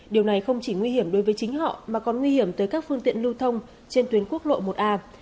điều này không chỉ nguy hiểm đối với chính họ mà còn nguy hiểm tới các phương tiện lưu thông trên tuyến quốc lộ một a